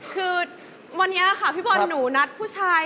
คือวันนี้ค่ะพี่บอลหนูนัดผู้ชาย